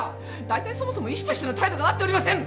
大体そもそも医師としての態度がなっておりません！